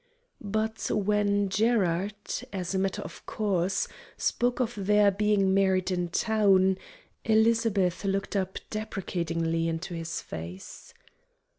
But when Gerard, as a matter of course, spoke of their being married in town, Elizabeth looked up deprecatingly into his face.